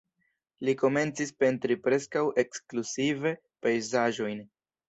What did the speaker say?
Li komencis pentri preskaŭ ekskluzive pejzaĝojn.